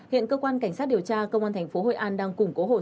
hiện cơ quan cảnh sát điều tra công an thành phố hội an đang củng cố hồ sơ